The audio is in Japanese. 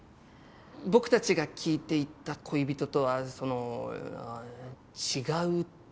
僕たちが聞いていた恋人とはその違うというか。